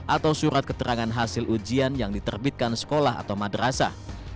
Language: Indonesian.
atau surat keterangan hasil ujian yang diterbitkan sekolah atau madrasah